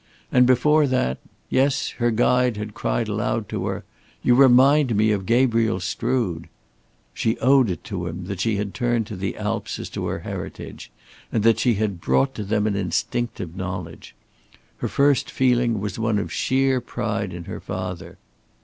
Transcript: And before that yes, her guide had cried aloud to her, "You remind me of Gabriel Strood." She owed it to him that she had turned to the Alps as to her heritage, and that she had brought to them an instinctive knowledge. Her first feeling was one of sheer pride in her father.